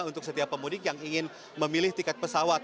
untuk setiap pemudik yang ingin memilih tiket pesawat